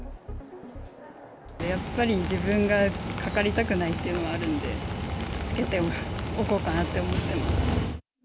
やっぱり自分がかかりたくないっていうのがあるんで、着けておこうかなって思ってます。